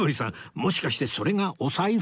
もしかしてそれがお財布？